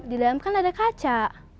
di dalam kan ada kaca